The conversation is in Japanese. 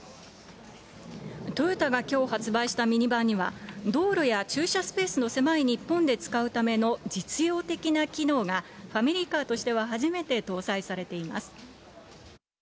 トヨタがきょう発売したミニバンには、道路や駐車スペースの狭い日本で使うための実用的な機能が、ファミリーカーとしては初めて搭載されています。